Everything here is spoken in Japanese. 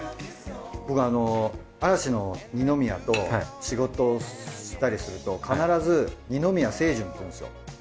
僕嵐の二宮と仕事したりすると必ず二宮清純っていうんですよ。